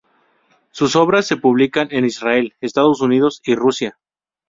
Sus obras se publican en Israel, Estados unidos y Rusia.